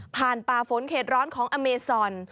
ผ่านปลาฝนเข็ดร้อนของอเมซอน